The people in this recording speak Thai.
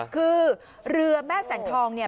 คือเรือแม่แสงทองเนี่ย